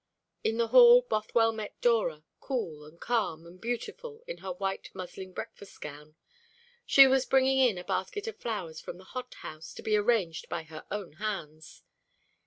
In the hall Bothwell met Dora, cool, and calm, and beautiful, in her white muslin breakfast gown. She was bringing in a basket of flowers from the hothouse, to be arranged by her own hands.